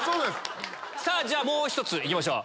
じゃあもう１ついきましょう。